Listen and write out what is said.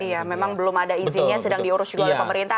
iya memang belum ada izinnya sedang diurus juga oleh pemerintah